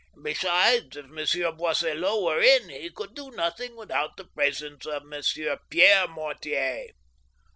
Besides, even if Monsieur Boisselot were in, he could do nothing without the presence of Mon sieur Pierre Mortier."